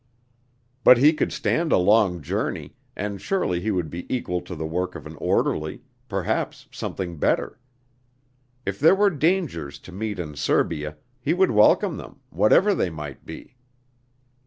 But he could stand a long journey, and surely he would be equal to the work of an orderly, perhaps something better. If there were dangers to meet in Serbia, he would welcome them, whatever they might be.